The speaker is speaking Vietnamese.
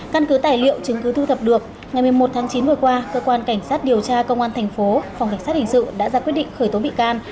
căn cứ tài liệu chứng cứ thu thập được ngày một mươi một tháng chín vừa qua cơ quan cảnh sát điều tra công an tp hcm đã ra quyết định khởi tố bị can